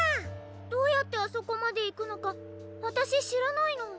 どうやってあそこまでいくのかわたししらないの。